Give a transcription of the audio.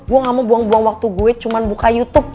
gue gak mau buang buang waktu gue cuma buka youtube